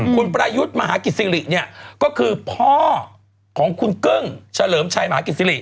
คุณประยุทธ์มหากิจศิริเนี่ยก็คือพ่อของคุณกึ้งเฉลิมชัยมหากิจศิริ